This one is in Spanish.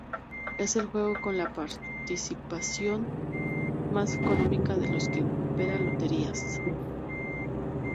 Es el juego con la participación más económica de los que opera Loterías.